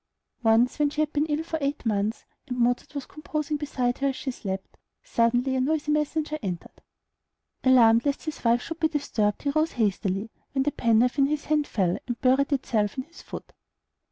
Once when she had been ill for eight months, and Mozart was composing beside her as she slept, suddenly a noisy messenger entered. Alarmed lest his wife should be disturbed, he rose hastily, when the penknife in his hand fell, and buried itself in his foot.